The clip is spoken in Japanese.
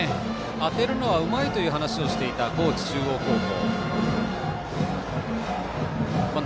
当てるのはうまいという話をしていた高知中央高校。